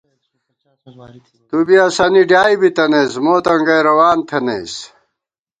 تُو بی اسَنی ڈیائےبِتَنَئیس مو تنگَئ روان تھنَئیس